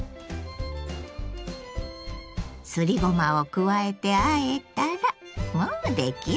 すりごまを加えてあえたらもう出来上がり。